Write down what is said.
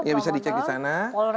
ya bisa di cek di sana